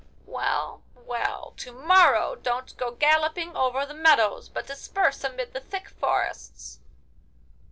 'Well, well! to morrow don't go galloping over the meadows, but disperse amid the thick forests.